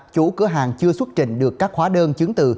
chủ cửa hàng chưa xuất trình được các hóa đơn chứng từ